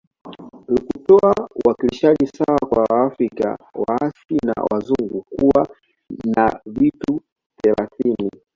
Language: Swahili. Likutoa uwakilishi sawa kwa waafrika waasia na wazungu kuwa na viti thelathini